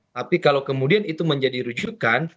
tapi kalau kemudian itu menjadi rujukan